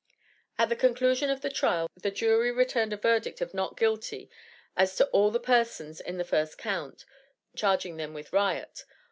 At the conclusion of the trial, the jury returned a verdict of "not guilty," as to all the persons in the first count, charging them with riot.